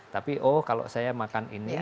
tapi oh kalau saya makan ini